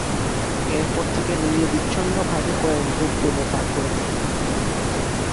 এরপর থেকে নিরবিচ্ছিন্নভাবে কয়েক যুগ দলে পার করে দেন।